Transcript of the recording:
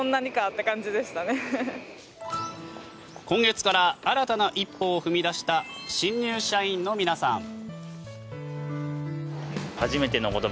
今月から新たな一歩を踏み出した新入社員の皆さん。